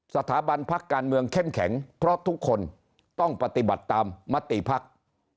สถาบันพักการเมืองเข้มแข็งเพราะทุกคนต้องปฏิบัติตามมติภักดิ์